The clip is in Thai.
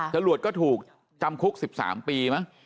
จรวดก็ถูกจำคุก๑๓ปีมั้ง